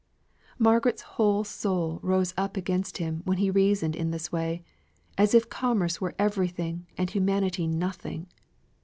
Margaret's whole soul rose up against him while he reasoned in this way as if commerce were everything and humanity nothing.